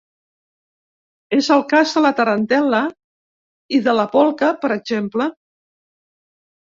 És el cas de la tarantel·la i de la polca, per exemple.